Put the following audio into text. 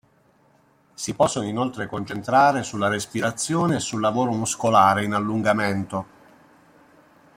Si possono inoltre concentrare sulla respirazione e sul lavoro muscolare in allungamento.